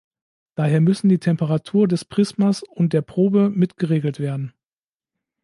Daher müssen die Temperatur des Prismas und der Probe mit geregelt werden.